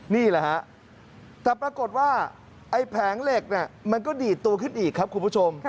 นี่แหละฮะแต่ปรากฏว่าไอ้แผงเหล็กเนี่ยมันก็ดีดตัวขึ้นอีกครับคุณผู้ชม